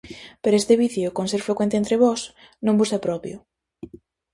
Pero este vicio, con ser frecuente entre vós, non vos é propio.